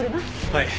はい。